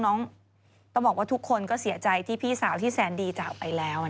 ต้องบอกว่าทุกคนก็เสียใจที่พี่สาวที่แสนดีจากไปแล้ว